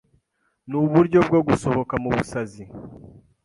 Nuburyo bwo gusohoka mu busazi